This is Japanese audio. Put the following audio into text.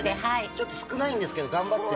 ちょっと少ないんですけど頑張って。